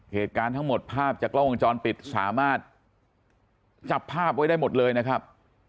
เหตุการณ์ทั้งหมดภาพจากกล้องวงจรปิดสามารถจับภาพไว้ได้หมดเลยนะครับ